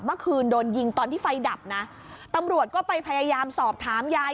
เมื่อคืนโดนยิงตอนที่ไฟดับนะตำรวจก็ไปพยายามสอบถามยาย